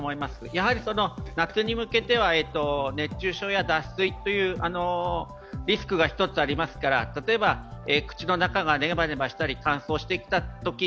やはり夏に向けては、熱中症や脱水というリスクがありますから例えば、口の中がネバネバしたり乾燥してきたとき、